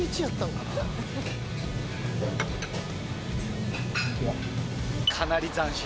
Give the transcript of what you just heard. かなり斬新。